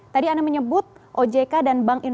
tadi anda menyebut ojk dan bank indonesia masih berpengalaman